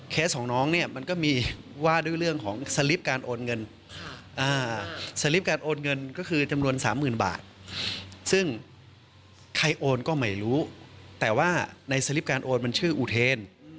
ของน้องเนี่ยมันก็มีว่าด้วยเรื่องของสลิปการโอนเงินสลิปการโอนเงินก็คือจำนวน๓๐๐๐บาทซึ่งใครโอนก็ไม่รู้แต่ว่าในสลิปการโอนมันชื่ออุเทน